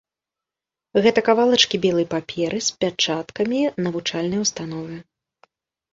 Гэта кавалачкі белай паперы з пячаткамі навучальнай установы.